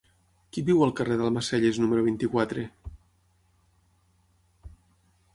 Qui viu al carrer d'Almacelles número vint-i-quatre?